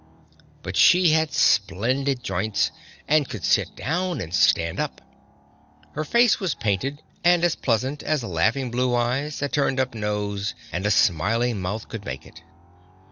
But she had splendid joints and could sit down and stand up. Her face was painted and as pleasant as laughing blue eyes, a turned up nose, and a smiling mouth could make it.